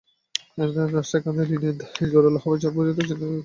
রাষ্ট্রের কাঁধে ঋণের দায় জোরালো হওয়ার বিপরীতে চীনের অর্থনৈতিক প্রবৃদ্ধির হার কমেছে।